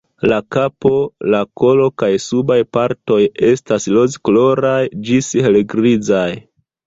La kapo, la kolo kaj subaj partoj estas rozkoloraj ĝis helgrizaj.